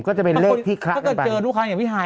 ก็จะเป็นเลขที่คละกันไปถ้าเจอลูกค้าอย่างพี่ฮาย